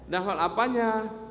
nah hal apanya